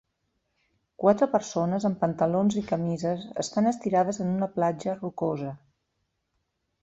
Quatre persones amb pantalons i camises estan estirades en una platja rocosa.